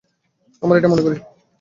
আমার এটাই মনে করি।